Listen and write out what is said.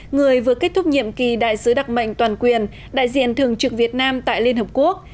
người vừa kết thúc nhiệm kỳ đại sứ đặc mệnh toàn quyền đại diện thường trực việt nam tại liên hợp quốc